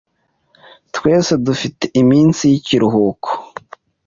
Twese dufite iminsi y'ikiruhuko.